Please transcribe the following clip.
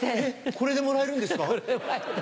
これでもらえるんですか？